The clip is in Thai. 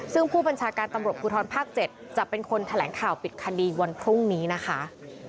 ซึ่งผู้บัญชาการตำรวจภูทรภาค๗จะเป็นคนแถลงข่าวปิดคดีวันพรุ่งนี้นะคะ